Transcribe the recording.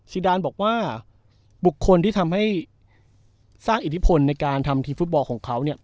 ดานบอกว่าบุคคลที่ทำให้สร้างอิทธิพลในการทำทีมฟุตบอลของเขาเนี่ย